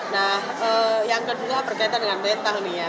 nah yang kedua berkaitan dengan metal nih ya